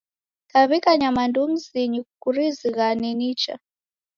Kaw'ika nyamandu mzinyi kurizighane nicha.